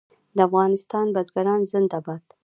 د افغانستان بزګران زنده باد.